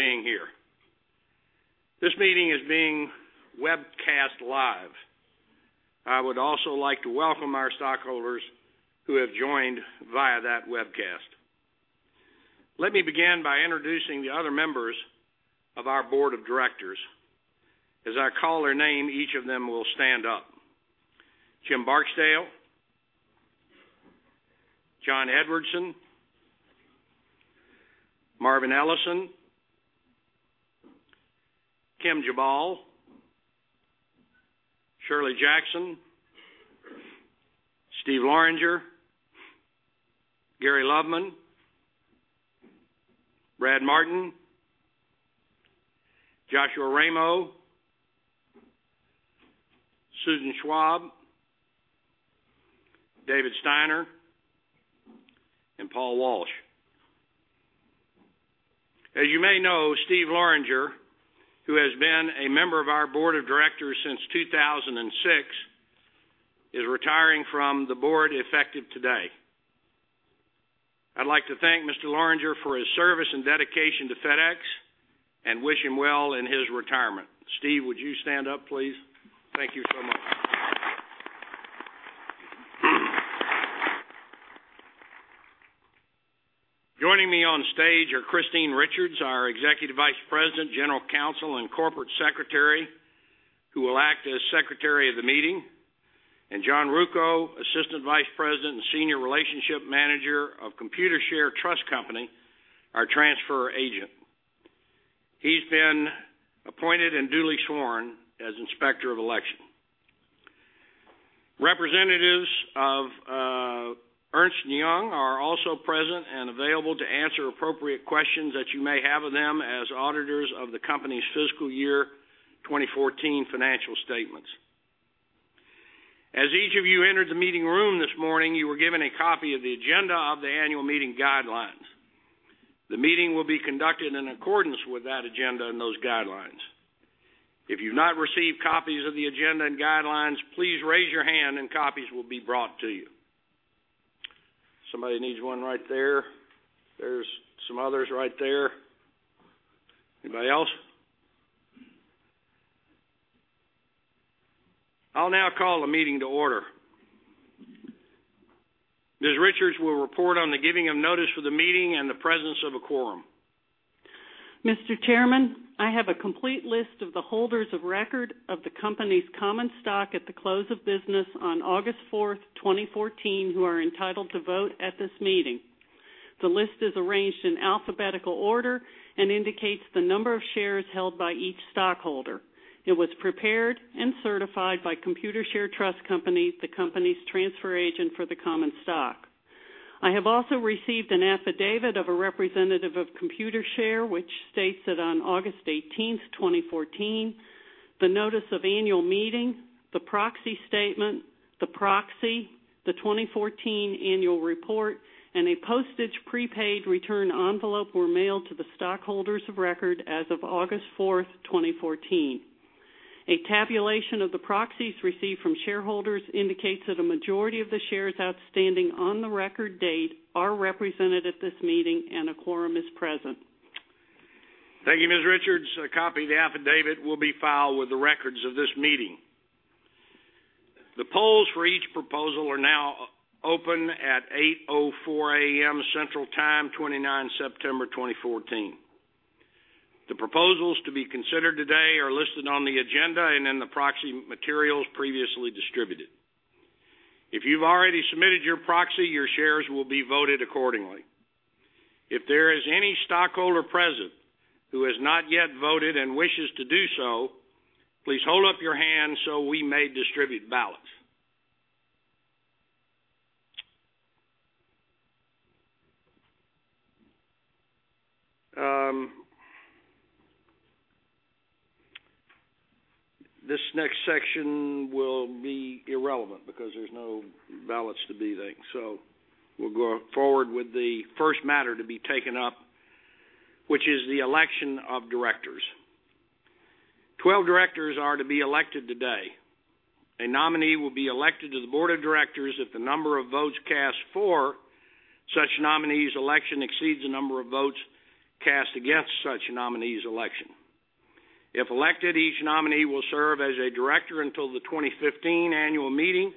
being here. This meeting is being webcast live. I would also like to welcome our stockholders who have joined via that webcast. Let me begin by introducing the other members of our Board of Directors. As I call their name, each of them will stand up. Jim Barksdale, John Edwardson, Marvin Ellison, Kim Jabal, Shirley Jackson, Steve Loranger, Gary Loveman, Brad Martin, Joshua Ramo, Susan Schwab, David Steiner, and Paul Walsh. As you may know, Steve Loranger, who has been a member of our Board of Directors since 2006, is retiring from the board effective today. I'd like to thank Mr. Loranger for his service and dedication to FedEx and wish him well in his retirement. Steve, would you stand up, please? Thank you so much. Joining me on stage are Christine Richards, our Executive Vice President, General Counsel, and Corporate Secretary, who will act as Secretary of the Meeting, and John V. Ruocco, Assistant Vice President and Senior Relationship Manager of Computershare Trust Company, our transfer agent. He's been appointed and duly sworn as Inspector of Election. Representatives of Ernst & Young are also present and available to answer appropriate questions that you may have of them as auditors of the company's fiscal year 2014 financial statements. As each of you entered the meeting room this morning, you were given a copy of the agenda of the annual meeting guidelines. The meeting will be conducted in accordance with that agenda and those guidelines. If you've not received copies of the agenda and guidelines, please raise your hand and copies will be brought to you. Somebody needs one right there. There's some others right there. Anybody else? I'll now call the meeting to order. Ms. Richards will report on the giving of notice for the meeting and the presence of a quorum. Mr. Chairman, I have a complete list of the holders of record of the company's common stock at the close of business on August 4, 2014, who are entitled to vote at this meeting. The list is arranged in alphabetical order and indicates the number of shares held by each stockholder. It was prepared and certified by Computershare Trust Company, the company's transfer agent for the common stock. I have also received an affidavit of a representative of Computershare Trust Company, which states that on August 18, 2014, the notice of annual meeting, the proxy statement, the proxy, the 2014 annual report, and a postage prepaid return envelope were mailed to the stockholders of record as of August 4, 2014. A tabulation of the proxies received from shareholders indicates that a majority of the shares outstanding on the record date are represented at this meeting and a quorum is present. Thank you, Ms. Richards. A copy of the affidavit will be filed with the records of this meeting. The polls for each proposal are now open at 8:04 A.M. Central Time, 29 September 2014. The proposals to be considered today are listed on the agenda and in the proxy materials previously distributed. If you've already submitted your proxy, your shares will be voted accordingly. If there is any stockholder present who has not yet voted and wishes to do so, please hold up your hand so we may distribute ballots. This next section will be irrelevant because there's no ballots to be there, so we'll go forward with the first matter to be taken up, which is the election of directors. 12 directors are to be elected today. A nominee will be elected to the Board of Directors if the number of votes cast for such nominees' election exceeds the number of votes cast against such nominees' election. If elected, each nominee will serve as a director until the 2015 annual meeting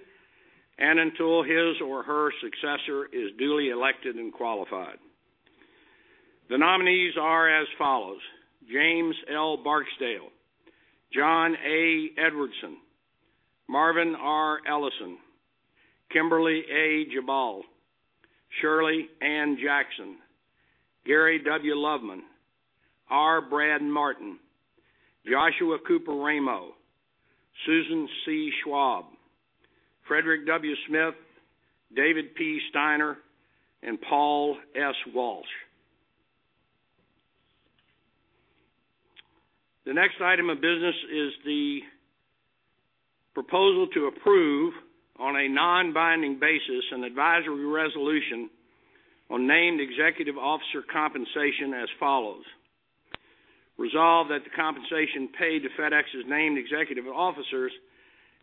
and until his or her successor is duly elected and qualified. The nominees are as follows: James L. Barksdale, John A. Edwardson, Marvin R. Ellison, Kimberly A. Jabal, Shirley A. Jackson, Gary Loveman, R. Brad Martin, Joshua Cooper Ramo, Susan C. Schwab, Frederick W. Smith, David P. Steiner, and Paul S. Walsh. The next item of business is the proposal to approve on a non-binding basis an advisory resolution on Named Executive Officer compensation as follows: Resolve that the compensation paid to FedEx's Named Executive Officers,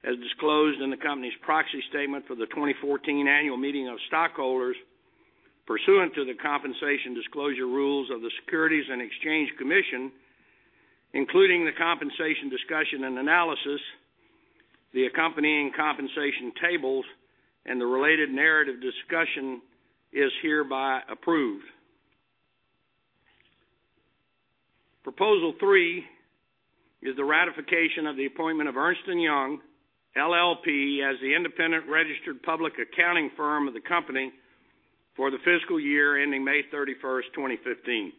as disclosed in the company's proxy statement for the 2014 annual meeting of stockholders, pursuant to the compensation disclosure rules of the Securities and Exchange Commission, including the compensation discussion and analysis, the accompanying compensation tables, and the related narrative discussion, is hereby approved. Proposal 3 is the ratification of the appointment of Ernst & Young LLP as the independent registered public accounting firm of the company for the fiscal year ending May 31, 2015.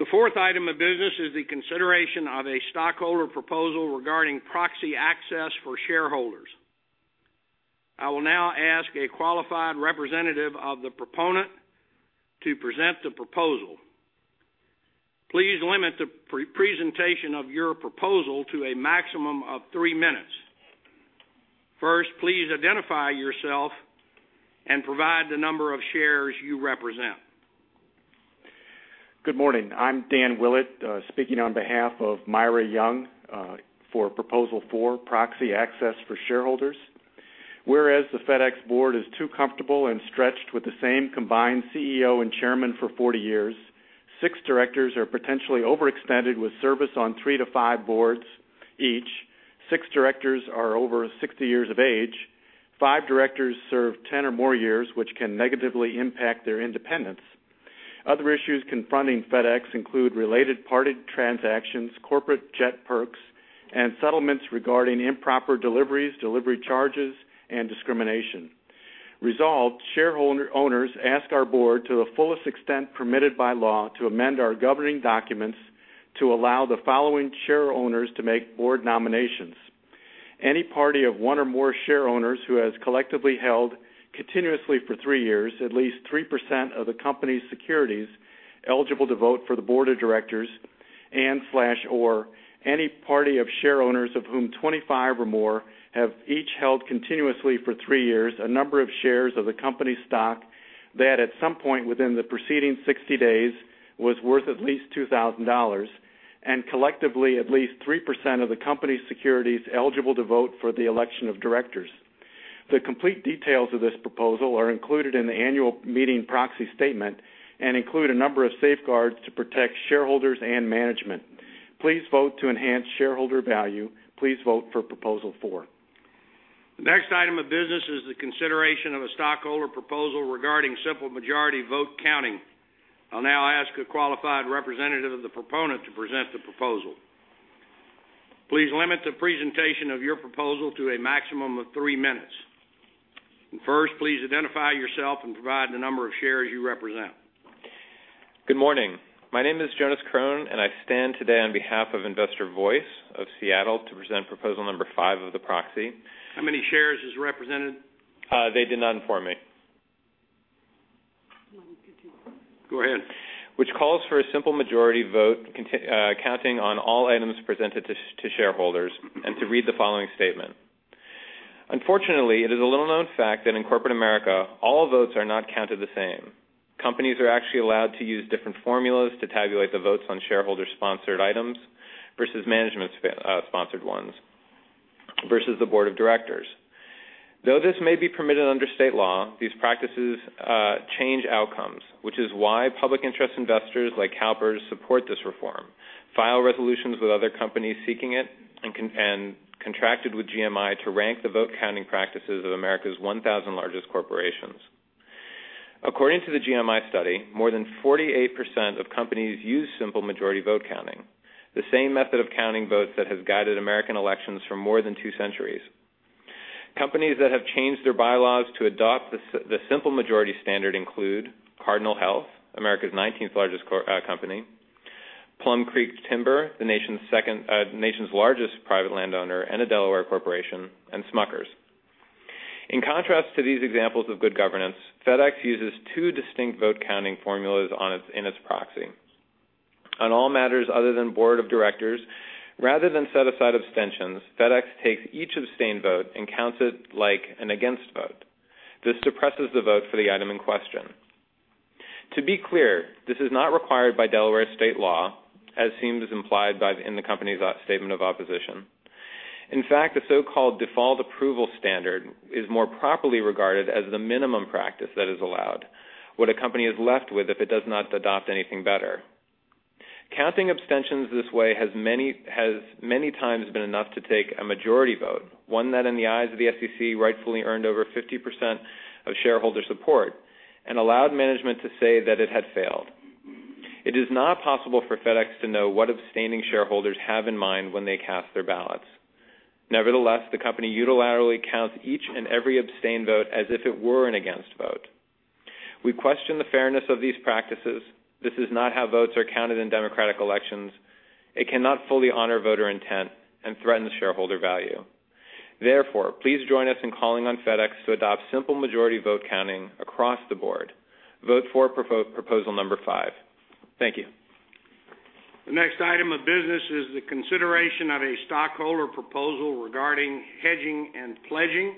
The 4th item of business is the consideration of a stockholder proposal regarding proxy access for shareholders. I will now ask a qualified representative of the proponent to present the proposal. Please limit the presentation of your proposal to a maximum of three minutes. First, please identify yourself and provide the number of shares you represent. Good morning. I'm Dan Willett, speaking on behalf of Myra Young for Proposal Four, Proxy Access for Shareholders. Whereas the FedEx board is too comfortable and stretched with the same combined CEO and chairman for 40 years, six directors are potentially overextended with service on three to five boards each. Six directors are over 60 years of age. Five directors serve 10 or more years, which can negatively impact their independence. Other issues confronting FedEx include related party transactions, corporate jet perks, and settlements regarding improper deliveries, delivery charges, and discrimination. Resolved shareholder owners ask our board, to the fullest extent permitted by law, to amend our governing documents to allow the following share owners to make board nominations: Any party of one or more share owners who has collectively held continuously for three years at least 3% of the company's securities eligible to vote for the board of directors and/or any party of share owners of whom 25 or more have each held continuously for three years a number of shares of the company's stock that at some point within the preceding 60 days was worth at least $2,000 and collectively at least 3% of the company's securities eligible to vote for the election of directors. The complete details of this proposal are included in the annual meeting proxy statement and include a number of safeguards to protect shareholders and management. Please vote to enhance shareholder value. Please vote for Proposal four. The next item of business is the consideration of a stockholder proposal regarding simple majority vote counting. I'll now ask a qualified representative of the proponent to present the proposal. Please limit the presentation of your proposal to a maximum of three minutes. First, please identify yourself and provide the number of shares you represent. Good morning. My name is Jonas Kron, and I stand today on behalf of Investor Voice of Seattle to present Proposal Number Five of the proxy. How many shares is represented? They did not inform me. Go ahead. Which calls for a simple majority vote counting on all items presented to shareholders and to read the following statement: Unfortunately, it is a little-known fact that in corporate America, all votes are not counted the same. Companies are actually allowed to use different formulas to tabulate the votes on shareholder-sponsored items versus management-sponsored ones versus the board of directors. Though this may be permitted under state law, these practices change outcomes, which is why public interest investors like CalPERS support this reform, file resolutions with other companies seeking it, and contracted with GMI to rank the vote counting practices of America's 1,000 largest corporations. According to the GMI study, more than 48% of companies use simple majority vote counting, the same method of counting votes that has guided American elections for more than two centuries. Companies that have changed their bylaws to adopt the simple majority standard include Cardinal Health, America's 19th largest company, Plum Creek Timber, the nation's largest private landowner, and a Delaware corporation, and Smucker's. In contrast to these examples of good governance, FedEx uses two distinct vote counting formulas in its proxy. On all matters other than board of directors, rather than set aside abstentions, FedEx takes each abstained vote and counts it like an against vote. This suppresses the vote for the item in question. To be clear, this is not required by Delaware state law, as seems implied in the company's statement of opposition. In fact, the so-called default approval standard is more properly regarded as the minimum practice that is allowed, what a company is left with if it does not adopt anything better. Counting abstentions this way has many times been enough to take a majority vote, one that in the eyes of the SEC rightfully earned over 50% of shareholder support and allowed management to say that it had failed. It is not possible for FedEx to know what abstaining shareholders have in mind when they cast their ballots. Nevertheless, the company unilaterally counts each and every abstained vote as if it were an against vote. We question the fairness of these practices. This is not how votes are counted in democratic elections. It cannot fully honor voter intent and threatens shareholder value. Therefore, please join us in calling on FedEx to adopt simple majority vote counting across the board. Vote for Proposal Number Five. Thank you. The next item of business is the consideration of a stockholder proposal regarding hedging and pledging,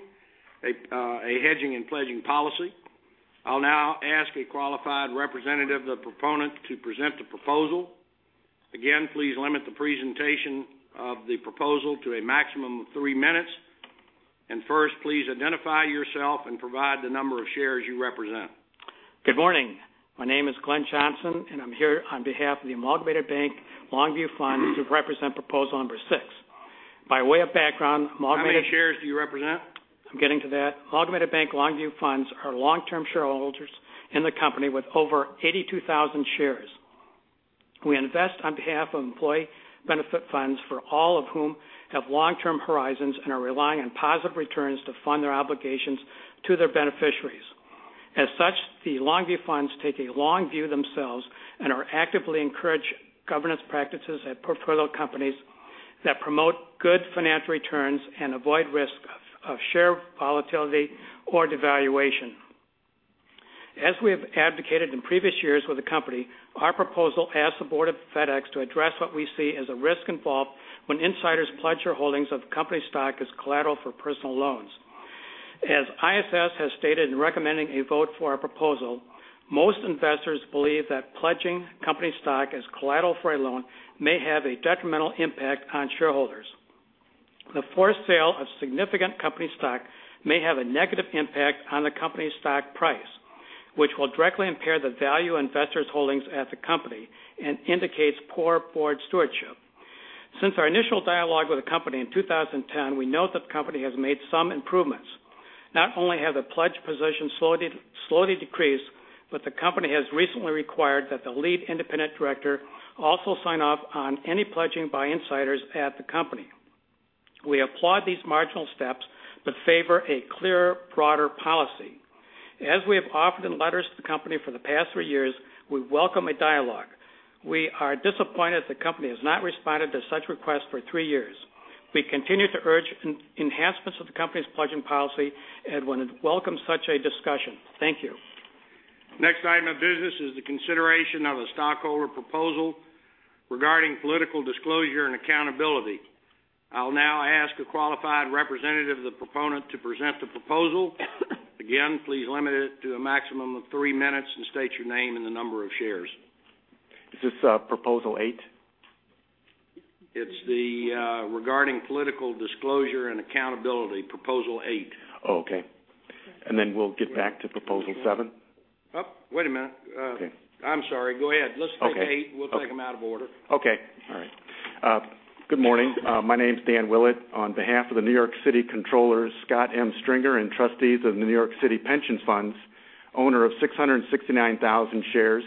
a hedging and pledging policy. I'll now ask a qualified representative of the proponent to present the proposal. Again, please limit the presentation of the proposal to a maximum of three minutes. First, please identify yourself and provide the number of shares you represent. Good morning. My name is Glenn Johnson, and I'm here on behalf of the Amalgamated Bank Longview Fund to represent Proposal Number Six. By way of background, Amalgamated. How many shares do you represent? I'm getting to that. Amalgamated Bank Longview Funds are long-term shareholders in the company with over 82,000 shares. We invest on behalf of employee benefit funds for all of whom have long-term horizons and are relying on positive returns to fund their obligations to their beneficiaries. As such, the Longview Funds take a long view themselves and are actively encouraging governance practices at portfolio companies that promote good financial returns and avoid risk of share volatility or devaluation. As we have advocated in previous years with the company, our proposal asks the board of FedEx to address what we see as a risk involved when insiders pledge their holdings of company stock as collateral for personal loans. As ISS has stated in recommending a vote for our proposal, most investors believe that pledging company stock as collateral for a loan may have a detrimental impact on shareholders. The forced sale of significant company stock may have a negative impact on the company's stock price, which will directly impair the value of investors' holdings at the company and indicates poor board stewardship. Since our initial dialogue with the company in 2010, we note that the company has made some improvements. Not only have the pledge positions slowly decreased, but the company has recently required that the lead independent director also sign off on any pledging by insiders at the company. We applaud these marginal steps but favor a clearer, broader policy. As we have offered in letters to the company for the past three years, we welcome a dialogue. We are disappointed the company has not responded to such requests for three years. We continue to urge enhancements of the company's pledging policy and welcome such a discussion. Thank you. The next item of business is the consideration of a stockholder proposal regarding political disclosure and accountability. I'll now ask a qualified representative of the proponent to present the proposal. Again, please limit it to a maximum of three minutes and state your name and the number of shares. Is this Proposal Eight? It's the regarding political disclosure and accountability, Proposal Eight. Oh, okay. And then we'll get back to Proposal Seven? Wait a minute. I'm sorry. Go ahead. Listen, it's 8. We'll take them out of order. Okay. All right. Good morning. My name's Dan Willett. On behalf of the New York City Comptroller, Scott M. Stringer, and trustees of the New York City Pension Funds, owner of 669,000 shares,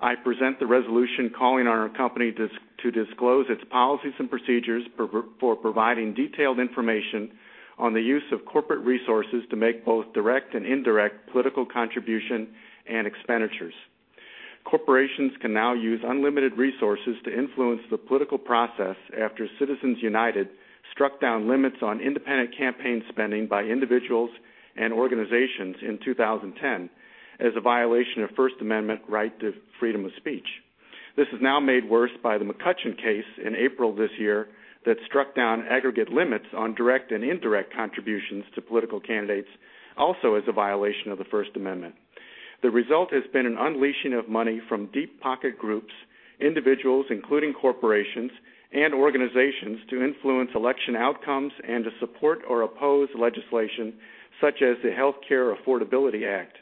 I present the resolution calling on our company to disclose its policies and procedures for providing detailed information on the use of corporate resources to make both direct and indirect political contribution and expenditures. Corporations can now use unlimited resources to influence the political process after Citizens United struck down limits on independent campaign spending by individuals and organizations in 2010 as a violation of First Amendment right to freedom of speech. This is now made worse by the McCutcheon case in April this year that struck down aggregate limits on direct and indirect contributions to political candidates, also as a violation of the First Amendment. The result has been an unleashing of money from deep-pocket groups, individuals including corporations and organizations to influence election outcomes and to support or oppose legislation such as the Healthcare Affordability Act.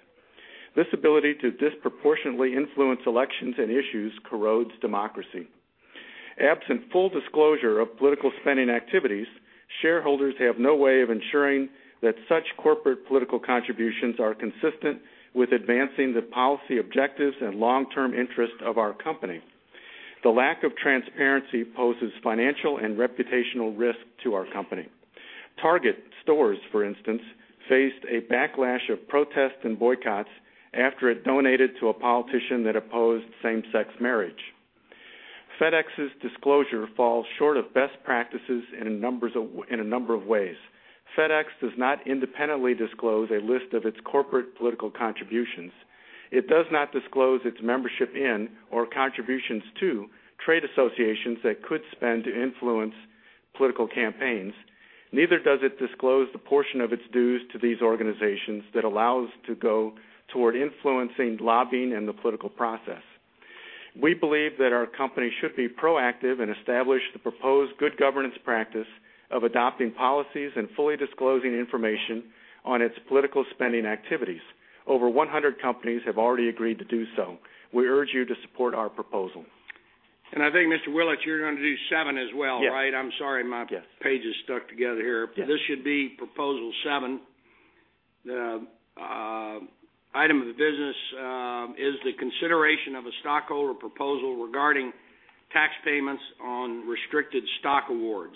This ability to disproportionately influence elections and issues corrodes democracy. Absent full disclosure of political spending activities, shareholders have no way of ensuring that such corporate political contributions are consistent with advancing the policy objectives and long-term interests of our company. The lack of transparency poses financial and reputational risk to our company. Target Stores, for instance, faced a backlash of protests and boycotts after it donated to a politician that opposed same-sex marriage. FedEx's disclosure falls short of best practices in a number of ways. FedEx does not independently disclose a list of its corporate political contributions. It does not disclose its membership in or contributions to trade associations that could spend to influence political campaigns. Neither does it disclose the portion of its dues to these organizations that allows to go toward influencing lobbying and the political process. We believe that our company should be proactive and establish the proposed good governance practice of adopting policies and fully disclosing information on its political spending activities. Over 100 companies have already agreed to do so. We urge you to support our proposal. And I think, Mr. Willett, you're going to do Seven as well, right? Yeah I'm sorry. My page is stuck together here. This should be Proposal Seven. The item of business is the consideration of a stockholder proposal regarding tax payments on restricted stock awards.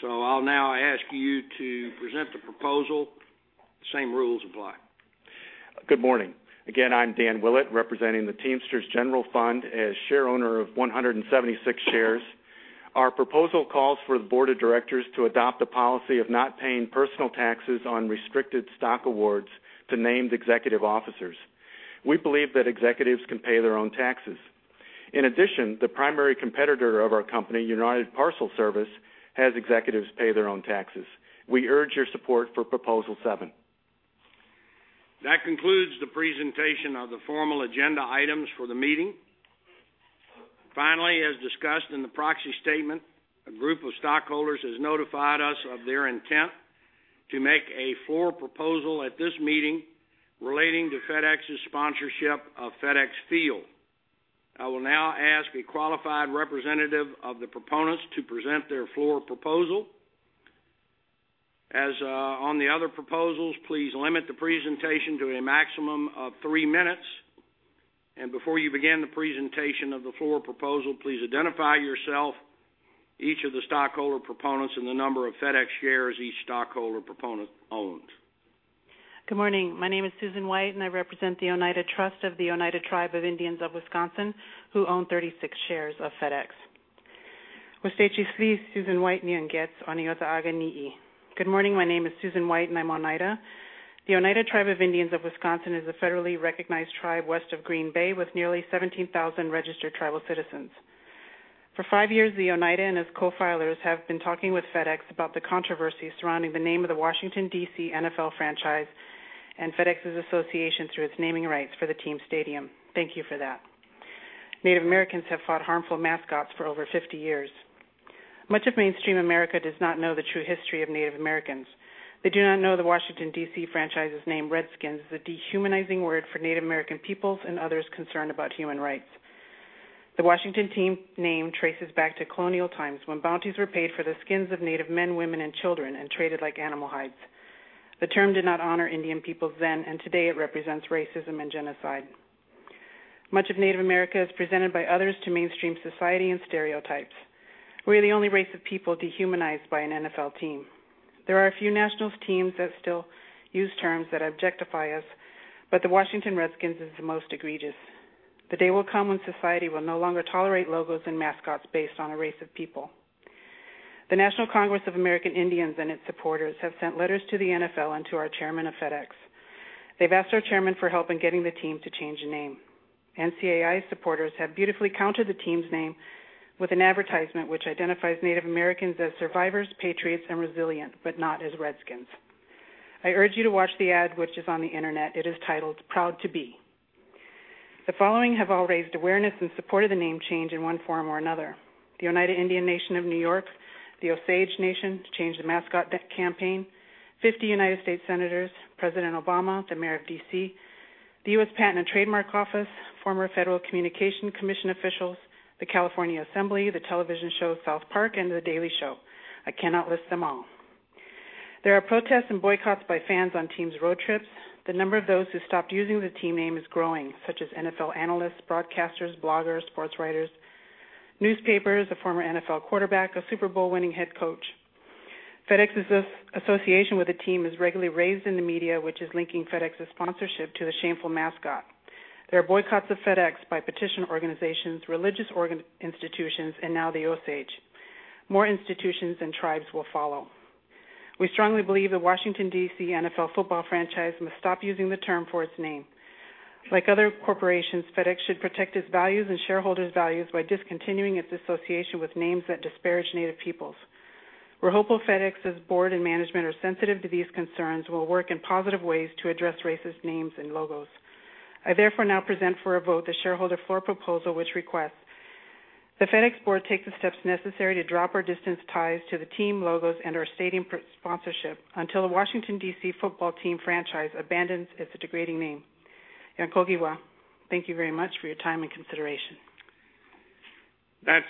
So I'll now ask you to present the proposal. The same rules apply. Good morning. Again, I'm Dan Willett, representing the Teamsters General Fund as shareholder of 176 shares. Our proposal calls for the board of directors to adopt a policy of not paying personal taxes on restricted stock awards to named executive officers. We believe that executives can pay their own taxes. In addition, the primary competitor of our company, United Parcel Service, has executives pay their own taxes. We urge your support for Proposal Seven. That concludes the presentation of the formal agenda items for the meeting. Finally, as discussed in the proxy statement, a group of stockholders has notified us of their intent to make a floor proposal at this meeting relating to FedEx's sponsorship of FedEx Field. I will now ask a qualified representative of the proponents to present their floor proposal. As on the other proposals, please limit the presentation to a maximum of three minutes. Before you begin the presentation of the floor proposal, please identify yourself, each of the stockholder proponents, and the number of FedEx shares each stockholder proponent owns. Good morning. My name is Susan White, and I represent the Oneida Trust of the Oneida Tribe of Indians of Wisconsin, who own 36 shares of FedEx. Good morning. My name is Susan White, and I'm Oneida. The Oneida Tribe of Indians of Wisconsin is a federally recognized tribe west of Green Bay with nearly 17,000 registered tribal citizens. For 5 years, the Oneida and its co-filers have been talking with FedEx about the controversy surrounding the name of the Washington, D.C. NFL franchise and FedEx's association through its naming rights for the team stadium. Thank you for that. Native Americans have fought harmful mascots for over 50 years. Much of mainstream America does not know the true history of Native Americans. They do not know the Washington, D.C. franchise's name, Redskins, the dehumanizing word for Native American peoples and others concerned about human rights. The Washington team name traces back to colonial times when bounties were paid for the skins of Native men, women, and children and traded like animal hides. The term did not honor Indian peoples then, and today it represents racism and genocide. Much of Native America is presented by others to mainstream society and stereotypes. We are the only race of people dehumanized by an NFL team. There are a few national teams that still use terms that objectify us, but the Washington Redskins is the most egregious. The day will come when society will no longer tolerate logos and mascots based on a race of people. The National Congress of American Indians and its supporters have sent letters to the NFL and to our chairman of FedEx. They've asked our chairman for help in getting the team to change the name. NCAI supporters have beautifully countered the team's name with an advertisement which identifies Native Americans as survivors, patriots, and resilient, but not as Redskins. I urge you to watch the ad, which is on the internet. It is titled, "Proud to Be." The following have all raised awareness and supported the name change in one form or another. The Oneida Indian Nation of New York, the Osage Nation to Change the Mascot campaign, 50 United States senators, President Obama, the mayor of D.C., the U.S. Patent and Trademark Office, former Federal Communications Commission officials, the California Assembly, the television show South Park, and the Daily Show. I cannot list them all. There are protests and boycotts by fans on teams' road trips. The number of those who stopped using the team name is growing, such as NFL analysts, broadcasters, bloggers, sports writers, newspapers, a former NFL quarterback, a Super Bowl-winning head coach. FedEx's association with the team is regularly raised in the media, which is linking FedEx's sponsorship to the shameful mascot. There are boycotts of FedEx by petition organizations, religious institutions, and now the Osage. More institutions and tribes will follow. We strongly believe the Washington, D.C. NFL football franchise must stop using the term for its name. Like other corporations, FedEx should protect its values and shareholders' values by discontinuing its association with names that disparage Native peoples. We're hopeful FedEx's board and management are sensitive to these concerns and will work in positive ways to address racist names and logos. I therefore now present for a vote the shareholder floor proposal, which requests the FedEx board take the steps necessary to drop or distance ties to the team logos and our stadium sponsorship until the Washington, D.C. football team franchise abandons its degrading name. Thank you very much for your time and consideration. That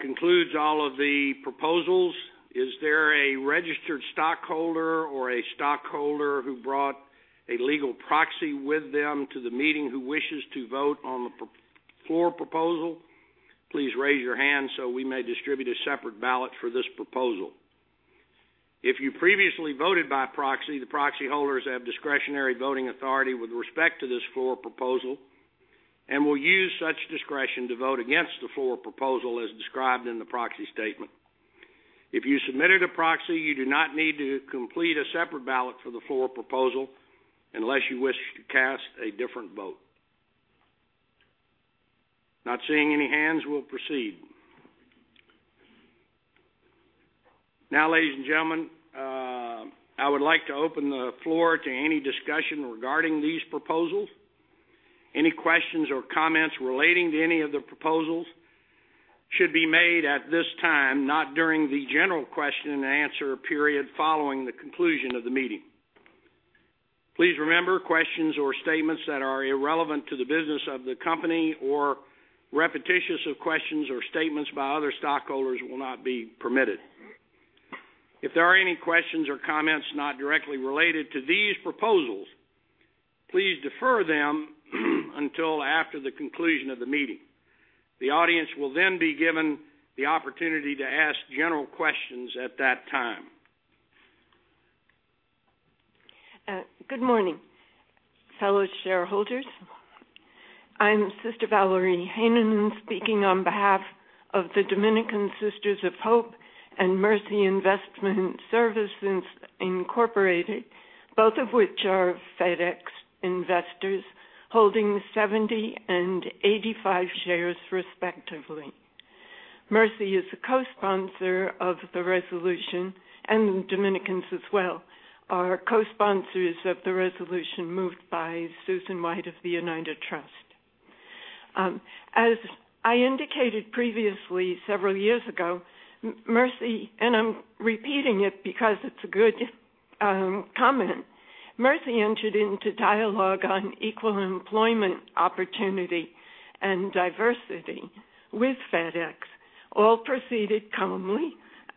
concludes all of the proposals. Is there a registered stockholder or a stockholder who brought a legal proxy with them to the meeting who wishes to vote on the floor proposal? Please raise your hand so we may distribute a separate ballot for this proposal. If you previously voted by proxy, the proxy holders have discretionary voting authority with respect to this floor proposal and will use such discretion to vote against the floor proposal as described in the proxy statement. If you submitted a proxy, you do not need to complete a separate ballot for the floor proposal unless you wish to cast a different vote. Not seeing any hands, we'll proceed. Now, ladies and gentlemen, I would like to open the floor to any discussion regarding these proposals. Any questions or comments relating to any of the proposals should be made at this time, not during the general question and answer period following the conclusion of the meeting. Please remember, questions or statements that are irrelevant to the business of the company or repetitious of questions or statements by other stockholders will not be permitted. If there are any questions or comments not directly related to these proposals, please defer them until after the conclusion of the meeting. The audience will then be given the opportunity to ask general questions at that time. Good morning, fellow shareholders. I'm Sister Valerie Heinonen speaking on behalf of the Dominican Sisters of Hope and Mercy Investment Services, Inc., both of which are FedEx investors holding 70 and 85 shares, respectively. Mercy is a co-sponsor of the resolution, and the Dominicans as well are co-sponsors of the resolution moved by Susan White of the Oneida Trust. As I indicated previously several years ago, Mercy, and I'm repeating it because it's a good comment, Mercy entered into dialogue on equal employment opportunity and diversity with FedEx. All proceeded calmly,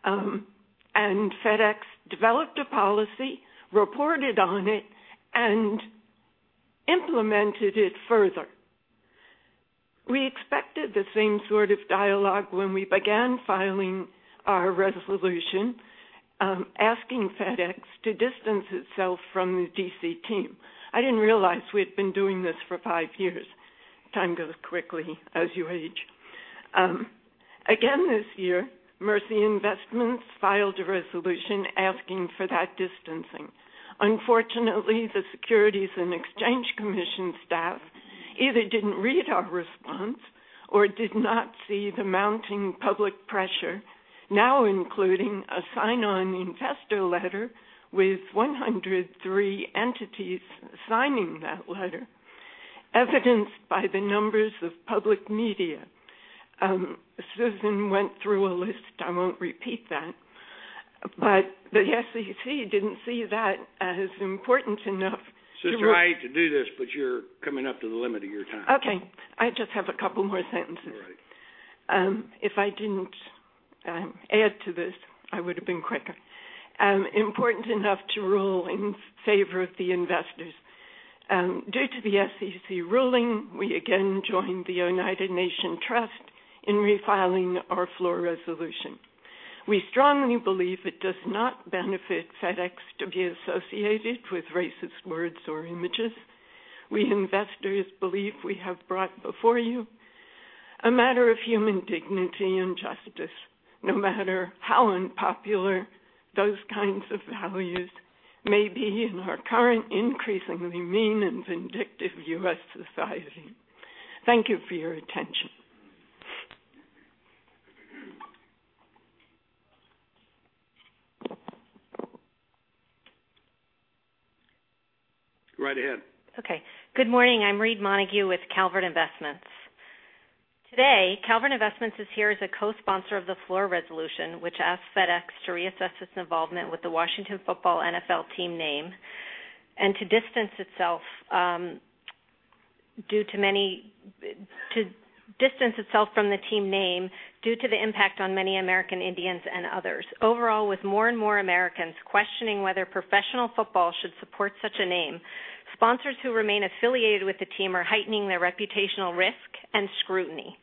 and FedEx developed a policy, reported on it, and implemented it further. We expected the same sort of dialogue when we began filing our resolution, asking FedEx to distance itself from the D.C. team. I didn't realize we had been doing this for five years. Time goes quickly as you age. Again this year, Mercy Investment Services filed a resolution asking for that distancing. Unfortunately, the Securities and Exchange Commission staff either didn't read our response or did not see the mounting public pressure, now including a sign-on investor letter with 103 entities signing that letter, evidenced by the numbers of public media. Susan went through a list. I won't repeat that. But the SEC didn't see that as important enough to. Sister Valerie Heinonen to do this, but you're coming up to the limit of your time. Okay. I just have a couple more sentences. If I didn't add to this, I would have been quicker. Important enough to rule in favor of the investors. Due to the SEC ruling, we again joined the Oneida Nation Trust in refiling our floor resolution. We strongly believe it does not benefit FedEx to be associated with racist words or images. We investors believe we have brought before you a matter of human dignity and justice, no matter how unpopular those kinds of values may be in our current, increasingly mean and vindictive U.S. society. Thank you for your attention. Go right ahead. Okay. Good morning. I'm Reed Montague with Calvert Investments. Today, Calvert Investments is here as a co-sponsor of the floor resolution, which asks FedEx to reassess its involvement with the Washington football NFL team name and to distance itself from the team name due to the impact on many American Indians and others. Overall, with more and more Americans questioning whether professional football should support such a name, sponsors who remain affiliated with the team are heightening their reputational risk and scrutiny.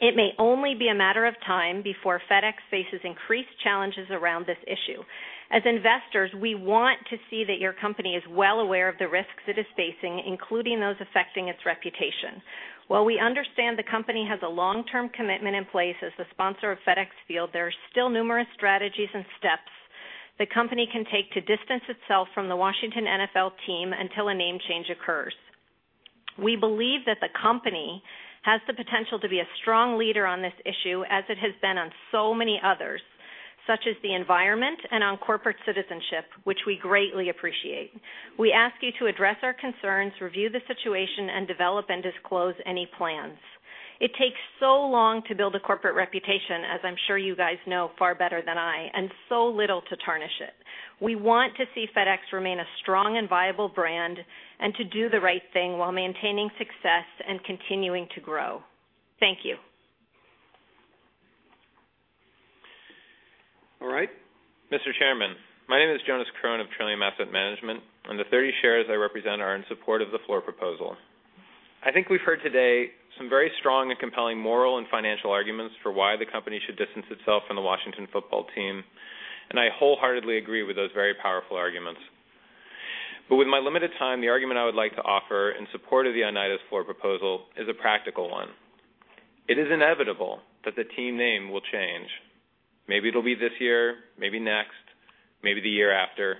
It may only be a matter of time before FedEx faces increased challenges around this issue. As investors, we want to see that your company is well aware of the risks it is facing, including those affecting its reputation. While we understand the company has a long-term commitment in place as the sponsor of FedEx Field, there are still numerous strategies and steps the company can take to distance itself from the Washington NFL team until a name change occurs. We believe that the company has the potential to be a strong leader on this issue, as it has been on so many others, such as the environment and on corporate citizenship, which we greatly appreciate. We ask you to address our concerns, review the situation, and develop and disclose any plans. It takes so long to build a corporate reputation, as I'm sure you guys know far better than I, and so little to tarnish it. We want to see FedEx remain a strong and viable brand and to do the right thing while maintaining success and continuing to grow. Thank you. All right. Mr. Chairman, my name is Jonas Kron of Trillium Asset Management, and the 30 shares I represent are in support of the floor proposal. I think we've heard today some very strong and compelling moral and financial arguments for why the company should distance itself from the Washington football team, and I wholeheartedly agree with those very powerful arguments. But with my limited time, the argument I would like to offer in support of the Oneida's floor proposal is a practical one. It is inevitable that the team name will change. Maybe it'll be this year, maybe next, maybe the year after.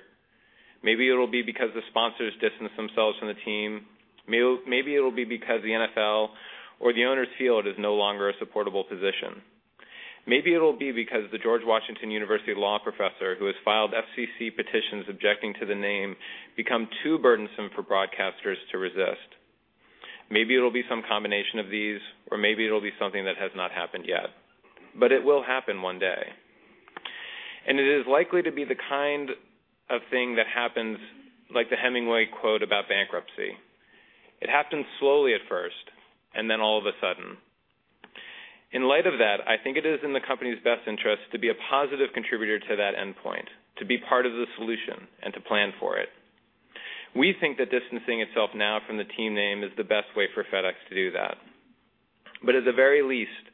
Maybe it'll be because the sponsors distance themselves from the team. Maybe it'll be because the NFL or the owners feel is no longer a supportable position. Maybe it'll be because the George Washington University law professor who has filed FCC petitions objecting to the name become too burdensome for broadcasters to resist. Maybe it'll be some combination of these, or maybe it'll be something that has not happened yet. But it will happen one day. And it is likely to be the kind of thing that happens like the Hemingway quote about bankruptcy. It happens slowly at first, and then all of a sudden. In light of that, I think it is in the company's best interest to be a positive contributor to that endpoint, to be part of the solution, and to plan for it. We think that distancing itself now from the team name is the best way for FedEx to do that. But at the very least,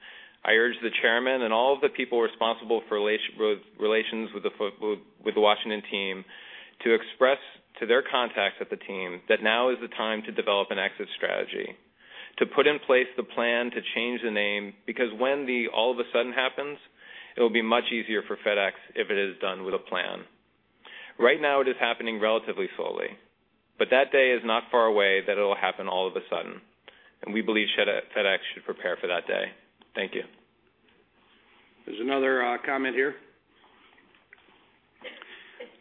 I urge the chairman and all of the people responsible for relations with the Washington team to express to their contacts at the team that now is the time to develop an exit strategy, to put in place the plan to change the name, because when the all of a sudden happens, it will be much easier for FedEx if it is done with a plan. Right now, it is happening relatively slowly, but that day is not far away that it'll happen all of a sudden. And we believe FedEx should prepare for that day. Thank you. There's another comment here.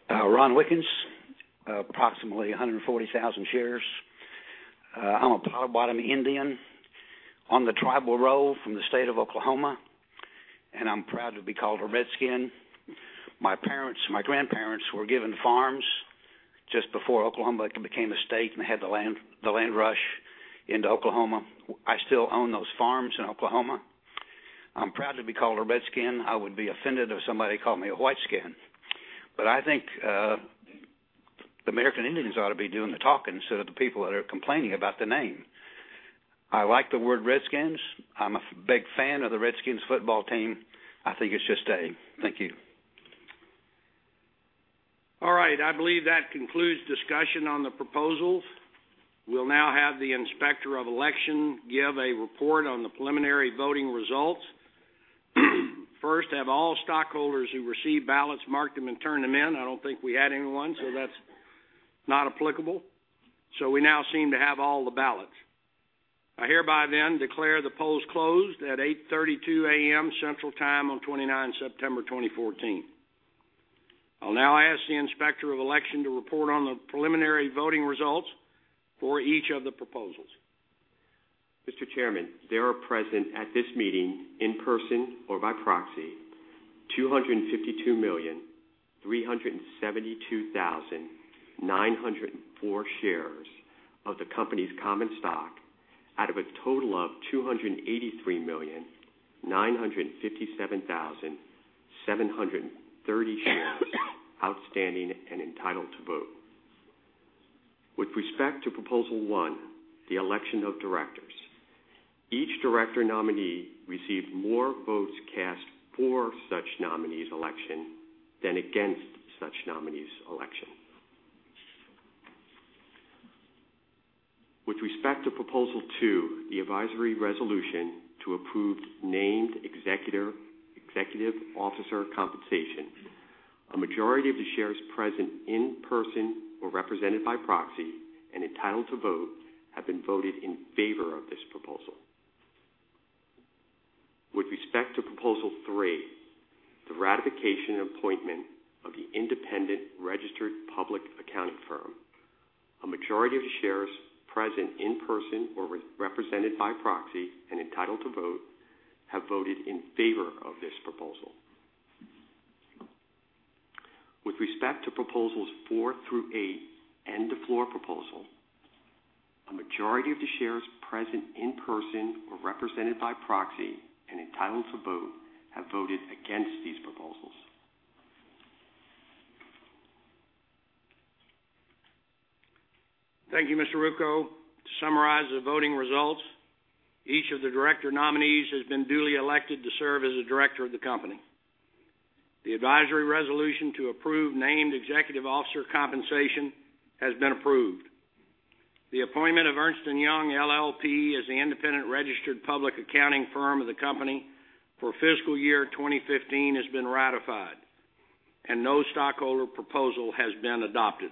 Ron Wickson, approximately 140,000 shares. I'm a full-blood Indian on the tribal roll from the state of Oklahoma, and I'm proud to be called a Redskin. My parents, my grandparents were given farms just before Oklahoma became a state and they had the land rush into Oklahoma. I still own those farms in Oklahoma. I'm proud to be called a Redskin. I would be offended if somebody called me a White skin. But I think the American Indians ought to be doing the talking instead of the people that are complaining about the name. I like the word Redskins. I'm a big fan of the Redskins football team. I think it's just a thank you. All right. I believe that concludes discussion on the proposal. We'll now have the Inspector of Election give a report on the preliminary voting results. First, have all stockholders who received ballots marked them and turned them in. I don't think we had anyone, so that's not applicable. So we now seem to have all the ballots. I hereby then declare the polls closed at 8:32 A.M. Central Time on 29 September 2014. I'll now ask the Inspector of Election to report on the preliminary voting results for each of the proposals. Mr. Chairman, there are present at this meeting in person or by proxy 252,372,904 shares of the company's common stock out of a total of 283,957,730 shares outstanding and entitled to vote. With respect to proposal one, the election of directors, each director nominee received more votes cast for such nominee's election than against such nominee's election. With respect to proposal two, the advisory resolution to approve Named Executive Officer compensation, a majority of the shares present in person or represented by proxy and entitled to vote have been voted in favor of this proposal. With respect to proposal three, the ratification and appointment of the independent registered public accounting firm, a majority of the shares present in person or represented by proxy and entitled to vote have voted in favor of this proposal. With respect to proposals four through eight and the floor proposal, a majority of the shares present in person or represented by proxy and entitled to vote have voted against these proposals. Thank you, Mr. Ruocco. To summarize the voting results, each of the director nominees has been duly elected to serve as a director of the company. The advisory resolution to approve Named Executive Officer compensation has been approved. The appointment of Ernst & Young LLP as the independent registered public accounting firm of the company for fiscal year 2015 has been ratified, and no stockholder proposal has been adopted.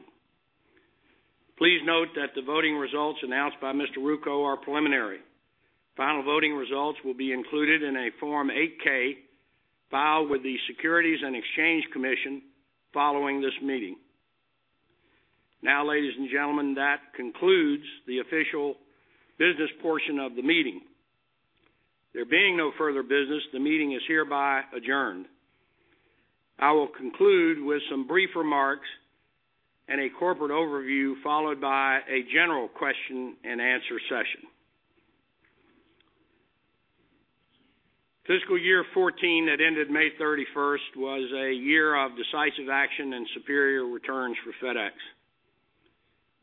Please note that the voting results announced by Mr. Ruocco are preliminary. Final voting results will be included in a Form 8-K filed with the Securities and Exchange Commission following this meeting. Now, ladies and gentlemen, that concludes the official business portion of the meeting. There being no further business, the meeting is hereby adjourned. I will conclude with some brief remarks and a corporate overview followed by a general question and answer session. Fiscal year 2014 that ended May 31st was a year of decisive action and superior returns for FedEx.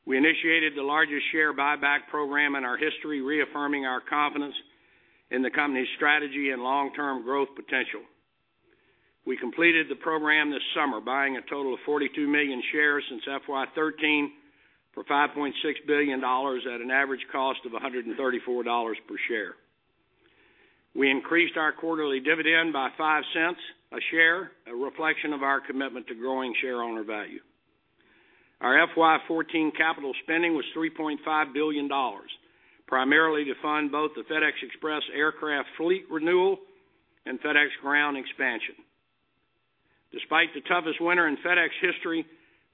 We initiated the largest share buyback program in our history, reaffirming our confidence in the company's strategy and long-term growth potential. We completed the program this summer, buying a total of 42 million shares since FY 2013 for $5.6 billion at an average cost of $134 per share. We increased our quarterly dividend by $0.05 per share, a reflection of our commitment to growing shareholder value. Our FY 2014 capital spending was $3.5 billion, primarily to fund both the FedEx Express aircraft fleet renewal and FedEx Ground expansion. Despite the toughest winter in FedEx history,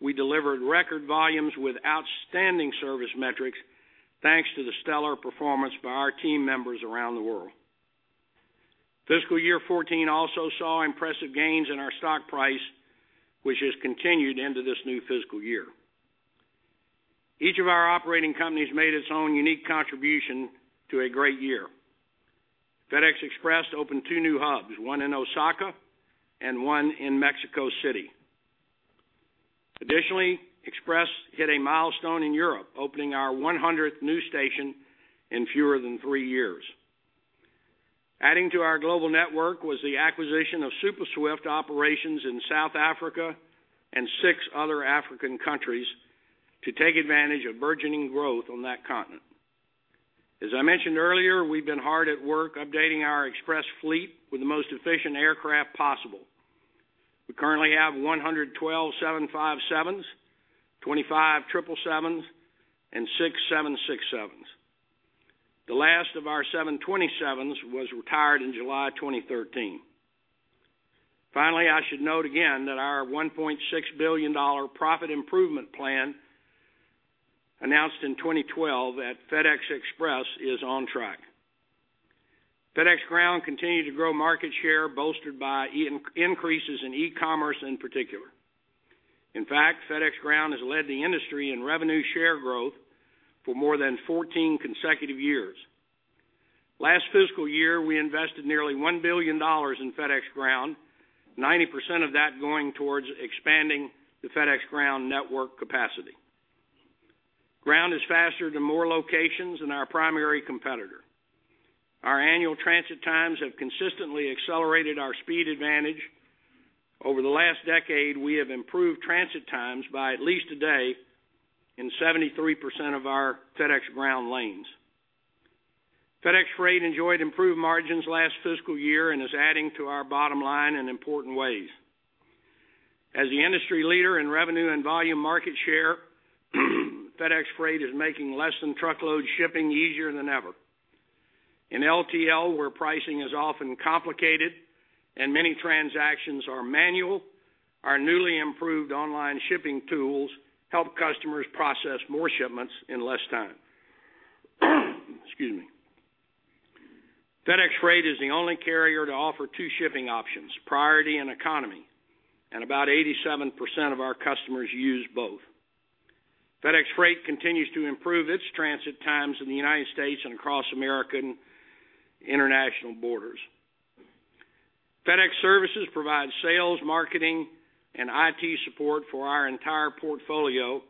we delivered record volumes with outstanding service metrics thanks to the stellar performance by our team members around the world. Fiscal year 2014 also saw impressive gains in our stock price, which has continued into this new fiscal year. Each of our operating companies made its own unique contribution to a great year. FedEx Express opened two new hubs, one in Osaka and one in Mexico City. Additionally, Express hit a milestone in Europe, opening our 100th new station in fewer than three years. Adding to our global network was the acquisition of Supaswift operations in South Africa and six other African countries to take advantage of burgeoning growth on that continent. As I mentioned earlier, we've been hard at work updating our Express fleet with the most efficient aircraft possible. We currently have 112 757s, 25 777s, and six 767s. The last of our 727s was retired in July 2013. Finally, I should note again that our $1.6 billion profit improvement plan announced in 2012 at FedEx Express is on track. FedEx Ground continued to grow market share bolstered by increases in e-commerce in particular. In fact, FedEx Ground has led the industry in revenue share growth for more than 14 consecutive years. Last fiscal year, we invested nearly $1 billion in FedEx Ground, 90% of that going towards expanding the FedEx Ground network capacity. Ground is faster to more locations than our primary competitor. Our annual transit times have consistently accelerated our speed advantage. Over the last decade, we have improved transit times by at least a day in 73% of our FedEx Ground lanes. FedEx Freight enjoyed improved margins last fiscal year and is adding to our bottom line in important ways. As the industry leader in revenue and volume market share, FedEx Freight is making less than truckload shipping easier than ever. In LTL, where pricing is often complicated and many transactions are manual, our newly improved online shipping tools help customers process more shipments in less time. Excuse me. FedEx Freight is the only carrier to offer two shipping options, Priority and Economy, and about 87% of our customers use both. FedEx Freight continues to improve its transit times in the United States and across American and international borders. FedEx Services provides sales, marketing, and IT support for our entire portfolio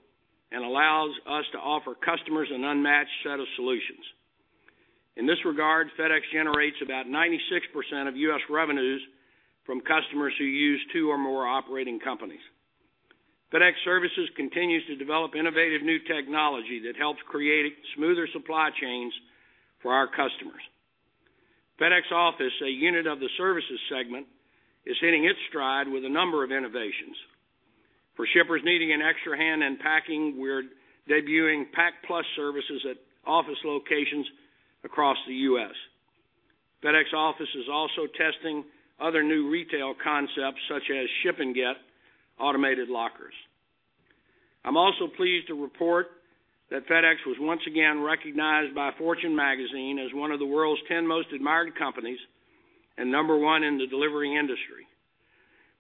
and allows us to offer customers an unmatched set of solutions. In this regard, FedEx generates about 96% of U.S. revenues from customers who use two or more operating companies. FedEx Services continues to develop innovative new technology that helps create smoother supply chains for our customers. FedEx Office, a unit of the services segment, is hitting its stride with a number of innovations. For shippers needing an extra hand in packing, we're debuting Pack Plus services at office locations across the U.S. FedEx Office is also testing other new retail concepts such as Ship&Get automated lockers. I'm also pleased to report that FedEx was once again recognized by Fortune as one of the world's 10 most admired companies and number one in the delivery industry.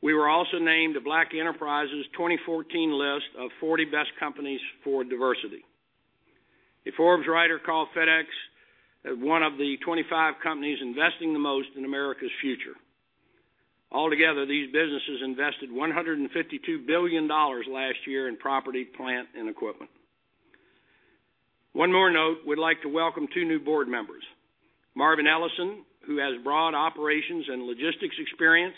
We were also named to Black Enterprise's 2014 list of 40 best companies for diversity. A Forbes writer called FedEx one of the 25 companies investing the most in America's future. Altogether, these businesses invested $152 billion last year in property, plant, and equipment. One more note, we'd like to welcome two new board members, Marvin Ellison, who has broad operations and logistics experience,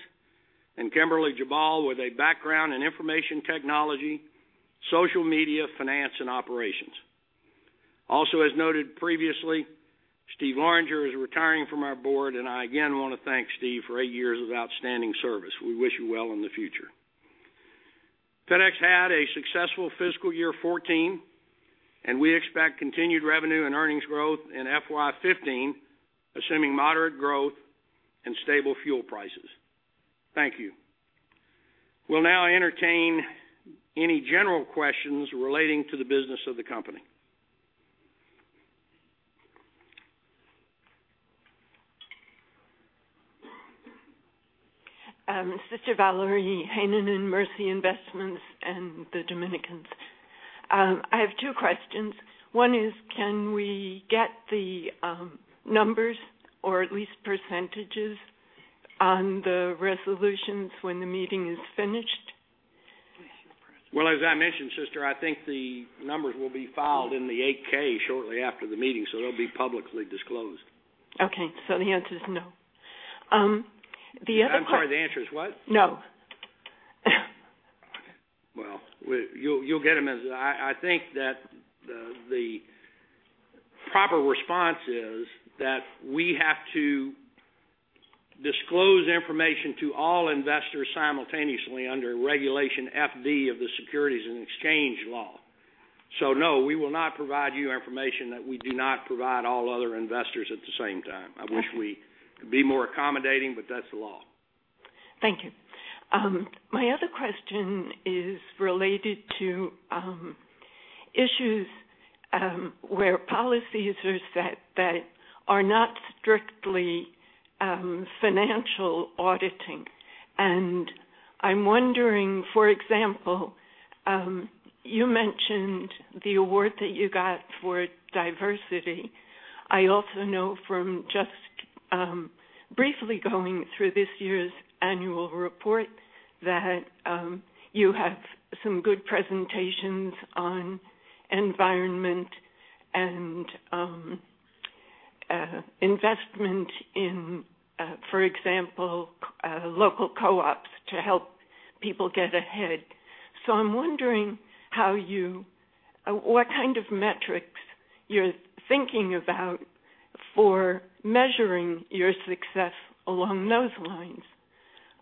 and Kimberly Jabal with a background in information technology, social media, finance, and operations. Also, as noted previously, Steve Loranger is retiring from our board, and I again want to thank Steve for eight years of outstanding service. We wish you well in the future. FedEx had a successful fiscal year 2014, and we expect continued revenue and earnings growth in FY 2015, assuming moderate growth and stable fuel prices. Thank you. We'll now entertain any general questions relating to the business of the company. Sister Valerie Heinonen and Mercy Investment Services and the Dominican Sisters. I have two questions. One is, can we get the numbers or at least percentages on the resolutions when the meeting is finished? Well, as I mentioned, sister, I think the numbers will be filed in the 8-K shortly after the meeting, so they'll be publicly disclosed. Okay. So the answer is no. The other question... I'm sorry. The answer is what? No. Well, you'll get them as I think that the proper response is that we have to disclose information to all investors simultaneously under Regulation FD of the Securities and Exchange Law. So no, we will not provide you information that we do not provide all other investors at the same time. I wish we could be more accommodating, but that's the law. Thank you. My other question is related to issues where policies are set that are not strictly financial auditing. And I'm wondering, for example, you mentioned the award that you got for diversity. I also know from just briefly going through this year's annual report that you have some good presentations on environment and investment in, for example, local co-ops to help people get ahead. So I'm wondering how you what kind of metrics you're thinking about for measuring your success along those lines.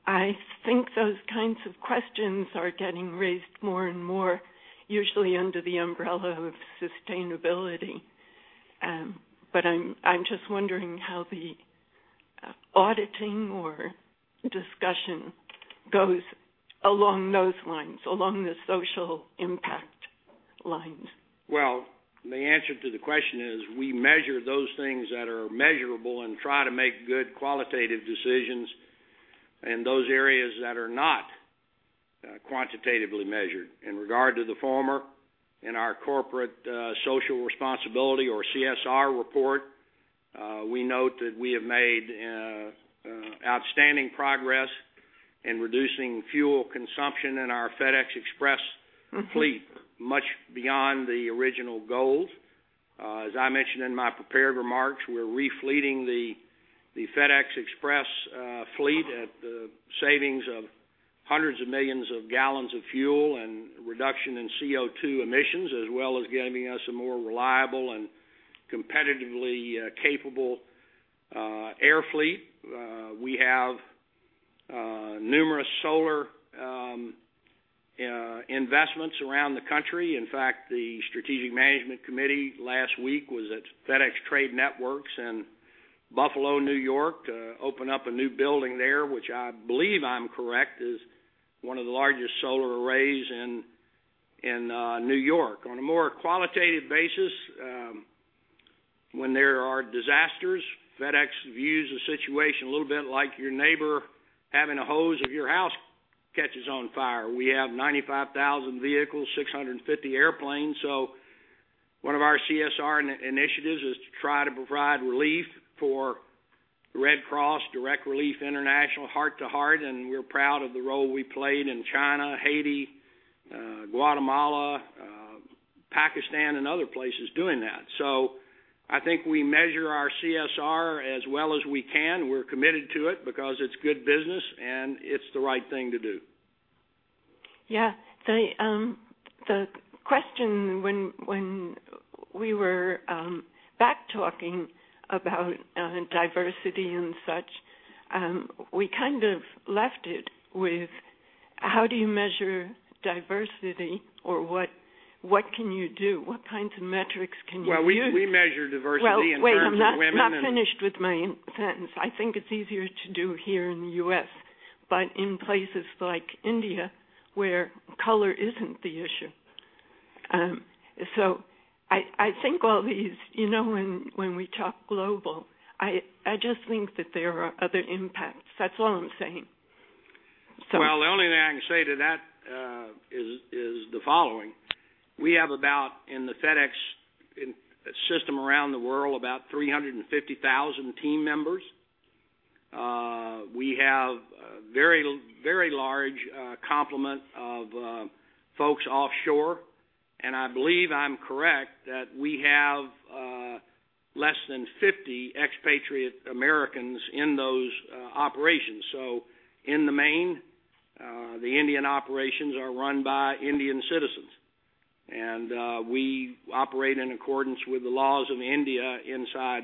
I think those kinds of questions are getting raised more and more, usually under the umbrella of sustainability. But I'm just wondering how the auditing or discussion goes along those lines, along the social impact lines. Well, the answer to the question is we measure those things that are measurable and try to make good qualitative decisions in those areas that are not quantitatively measured. In regard to the former, in our corporate social responsibility or CSR report, we note that we have made outstanding progress in reducing fuel consumption in our FedEx Express fleet much beyond the original goals. As I mentioned in my prepared remarks, we're refleeting the FedEx Express fleet at the savings of hundreds of millions of gallons of fuel and reduction in CO2 emissions, as well as giving us a more reliable and competitively capable air fleet. We have numerous solar investments around the country. In fact, the Strategic Management Committee last week was at FedEx Trade Networks in Buffalo, New York, to open up a new building there, which I believe I'm correct is one of the largest solar arrays in New York. On a more qualitative basis, when there are disasters, FedEx views the situation a little bit like your neighbor having a hose of your house catches on fire. We have 95,000 vehicles, 650 airplanes. So one of our CSR initiatives is to try to provide relief for Red Cross, Direct Relief International, Heart to Heart, and we're proud of the role we played in China, Haiti, Guatemala, Pakistan, and other places doing that. So I think we measure our CSR as well as we can. We're committed to it because it's good business and it's the right thing to do. Yeah. The question when we were back talking about diversity and such, we kind of left it with how do you measure diversity or what can you do? What kinds of metrics can you use? Well, we measure diversity in terms of women. Wait. I'm not finished with my sentence. I think it's easier to do here in the U.S., but in places like India where color isn't the issue. So I think all these, when we talk global, I just think that there are other impacts. That's all I'm saying. Well, the only thing I can say to that is the following. We have about, in the FedEx system around the world, about 350,000 team members. We have a very large complement of folks offshore. And I believe I'm correct that we have less than 50 expatriate Americans in those operations. So in the main, the Indian operations are run by Indian citizens. And we operate in accordance with the laws of India inside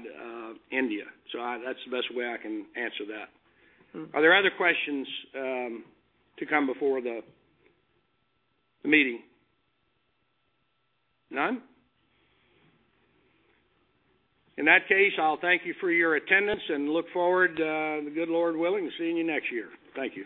India. So that's the best way I can answer that. Are there other questions to come before the meeting? None? In that case, I'll thank you for your attendance and look forward, the good Lord willing, to seeing you next year. Thank you.